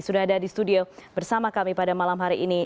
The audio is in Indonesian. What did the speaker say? sudah ada di studio bersama kami pada malam hari ini